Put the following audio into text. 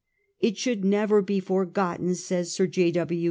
'It should never be forgotten,' says Sir J.